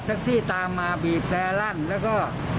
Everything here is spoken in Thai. ต่อไปต่อผมมาพอดีผมหลบ